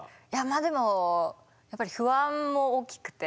でもやっぱり不安も大きくて。